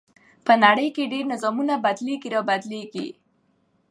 په نړۍ کې ډېر نظامونه بدليږي را بدلېږي .